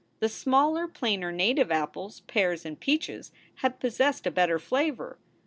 The smaller, plainer native apples, pears, and peaches had possessed a better flavor.